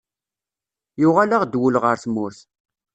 Yuɣal-aɣ-d wul ɣer tmurt.